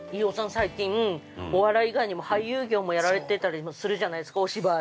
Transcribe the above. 最近、お笑い以外にも俳優業もやられてたりもするじゃないですか、お芝居。